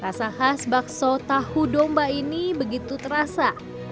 rasa khas bakso tahu domba ini begitu terasa